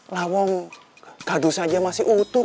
lawang kadus aja masih utuh kok